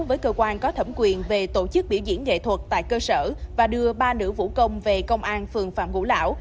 với cơ quan có thẩm quyền về tổ chức biểu diễn nghệ thuật tại cơ sở và đưa ba nữ vũ công về công an phường phạm ngũ lão